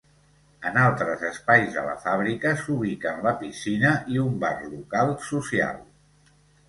En altres espais de la fàbrica s'ubiquen la piscina i un bar local social.